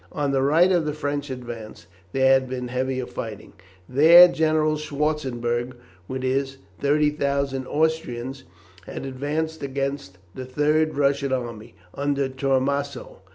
On the right of the French advance there had been heavier fighting. There General Schwarzenberg with his 30,000 Austrians had advanced against the third Russian army, under Tormanssow.